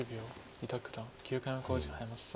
伊田九段９回目の考慮時間に入りました。